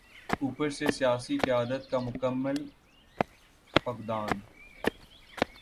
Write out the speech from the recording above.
اوپر سے سیاسی قیادت کا مکمل فقدان۔